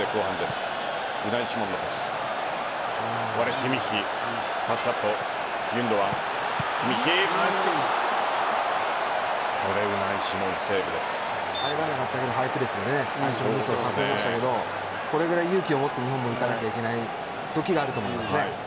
ハイプレスで相手のミス誘いましたけどこれぐらい勇気を持って日本もいかなきゃいけないときがあると思いますね。